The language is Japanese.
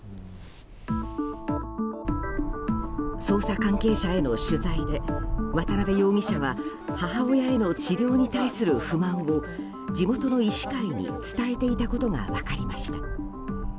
捜査関係者への取材で渡辺容疑者は母親への治療に対する不満を地元の医師会に伝えていたことが分かりました。